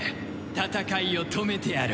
戦いを止めてやる。